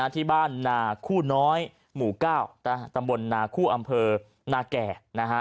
ที่บ้านนาคู่น้อยหมู่๙ตำบลนาคู่อำเภอนาแก่